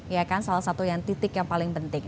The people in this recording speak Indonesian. ya kan salah satu yang titik yang paling penting